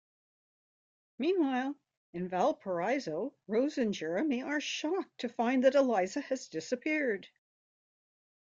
Meanwhile, in Valparaiso, Rose and Jeremy are shocked to find that Eliza has disappeared.